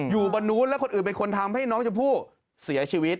อยู่บนนู้นแล้วคนอื่นเป็นคนทำให้น้องชมพู่เสียชีวิต